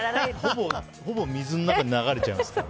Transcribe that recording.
ほぼ水になって流れちゃいますから。